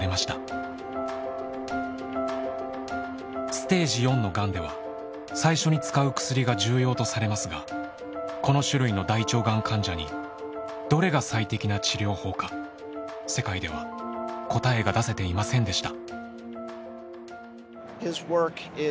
ステージ４のがんでは最初に使う薬が重要とされますがこの種類の大腸がん患者にどれが「最適な治療法」か世界では答えが出せていませんでした。